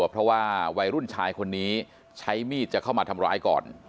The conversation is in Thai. เพราะว่าวัยรุ่นชายคนนี้ใช้มีดจะเข้ามาทำร้ายก่อน